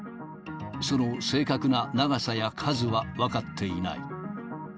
その正確な長さや数は分かっていない。